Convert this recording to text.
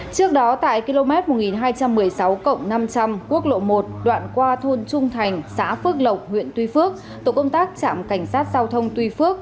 trước đó tại km một nghìn hai trăm một mươi sáu năm trăm linh quốc lộ một đoạn qua thôn trung thành xã phước lộc huyện tuy phước tổ công tác trạm cảnh sát giao thông tuy phước